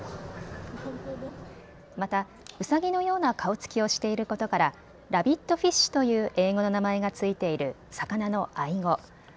またうさぎのような顔つきをしていることからラビットフィッシュという英語の名前が着いている魚のアイゴ。